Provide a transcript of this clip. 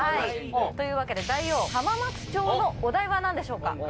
というわけで大王浜松町のお題は何でしょうか？